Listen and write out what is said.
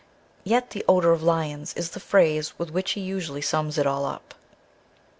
Yet the "odor of lions" is the phrase with which he usually sums it all up.